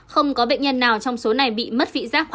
không có bệnh nhân nào trong số này bị mất vị giác